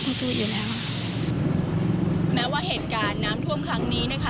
ซื้ออยู่แล้วค่ะแม้ว่าเหตุการณ์น้ำท่วมครั้งนี้นะคะ